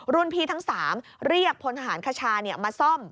รุ่นพี่ทั้ง๓เรียกพลทหารคชามาซ่อม